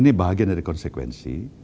ini bagian dari konsekuensi